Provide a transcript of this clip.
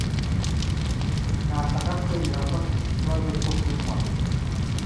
Ntashaka kwemera ko afite ikibazo cyo kunywa.